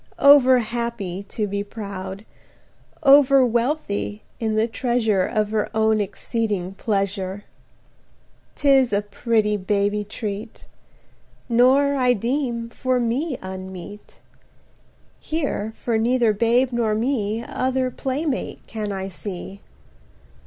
Over happy to be proud, Over wealthy in the treasure Of her own exceeding pleasure! 40 'Tis a pretty baby treat; Nor, I deem, for me unmeet; Here, for neither Babe nor me, Other play mate can I see.